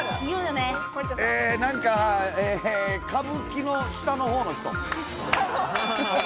歌舞伎の下の方の人。